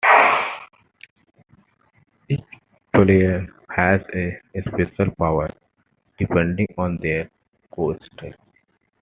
Each player has a special power, depending on their coaster.